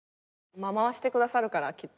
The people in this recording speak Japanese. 回してくださるからきっと。